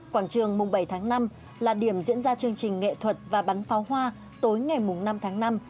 quảng trường bảy tháng năm là điểm diễn ra chương trình nghệ thuật và bắn pháo hoa tối ngày năm tháng năm